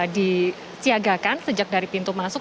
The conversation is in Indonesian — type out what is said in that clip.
disiagakan sejak dari pintu masuk